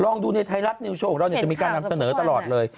ดูในไทยรัฐนิวโชว์ของเราจะมีการนำเสนอตลอดเลย